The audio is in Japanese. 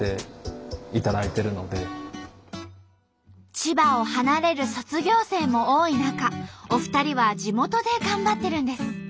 千葉を離れる卒業生も多い中お二人は地元で頑張ってるんです。